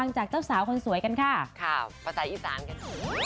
เจ้าสาวคนสวยกันค่ะค่ะประสาทอีสานกัน